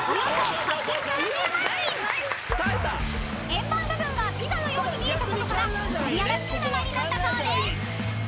［円盤部分がピザのように見えたことからイタリアらしい名前になったそうです］